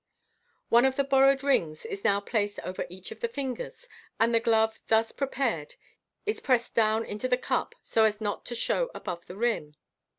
One of the borrowed rings is now placed over each of the fingers, and the glove thus prepared i9 pressed down into the cup, so as not to show above the rim.